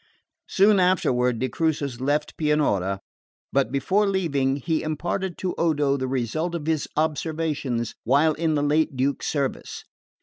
Soon afterward de Crucis left Pianura; but before leaving he imparted to Odo the result of his observations while in the late Duke's service.